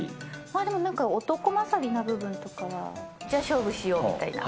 でもなんか、男勝りな部分とかは、じゃあ、勝負しようみたいな。